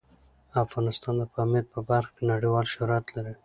افغانستان د پامیر په برخه کې نړیوال شهرت لري.